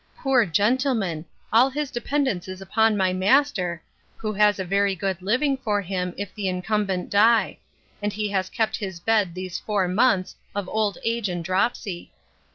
Poor gentleman! all his dependance is upon my master, who has a very good living for him, if the incumbent die; and he has kept his bed these four months, of old age and dropsy.